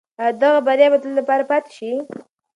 آیا دغه بریا به د تل لپاره پاتې شي؟